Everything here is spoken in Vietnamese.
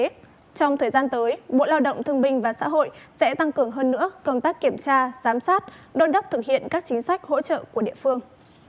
trong thời gian tới bộ lao động thương binh và xã hội sẽ tăng cường hơn nữa công tác kiểm tra giám sát đôn đốc thực hiện các chính sách hỗ trợ của địa phương